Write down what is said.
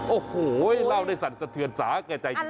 โอ้โหเล่าได้สั่นสะเทือนสาแก่ใจจริง